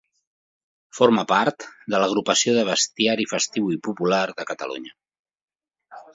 Forma part de l'Agrupació de Bestiari Festiu i Popular de Catalunya.